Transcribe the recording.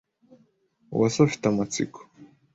Uwase afite amatsiko.